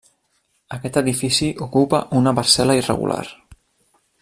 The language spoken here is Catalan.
Aquest edifici ocupa una parcel·la irregular.